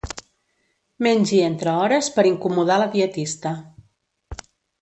Mengi entre hores per incomodar la dietista.